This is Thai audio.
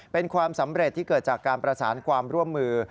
เป็นความสำเร็จที่เกิดจากการประสานความร่วมมือ